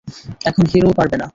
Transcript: এখন হিরোও পারবে না।